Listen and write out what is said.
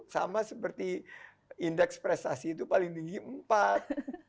sama seperti indeks prestasi itu paling tinggi empat